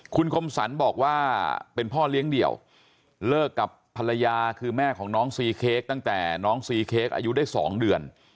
คุณคมสรรบอกว่าเป็นพ่อเลี้ยงเดี่ยวเลิกกับภรรยาคือแม่ของน้องซีเค้กตั้งแต่น้องซีเค้กอายุได้๒เดือน